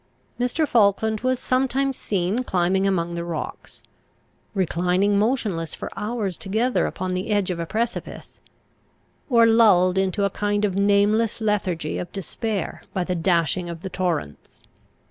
Mr. Falkland was sometimes seen climbing among the rocks, reclining motionless for hours together upon the edge of a precipice, or lulled into a kind of nameless lethargy of despair by the dashing of the torrents.